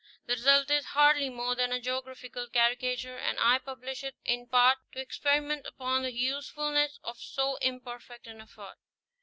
The result is hardly more than a geographical caricature, and I publish it im part to experiment upon the usefulness of so imperfect an effort.